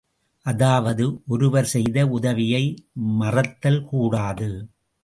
அதாவது, ஒருவர் செய்த உதவியை மறத்தல் கூடாது.